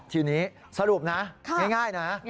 ทีนี้สรุปนะง่ายนะ